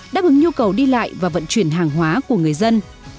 đáp ứng nhu cầu đi lại và vận chuyển hàng hóa của người dân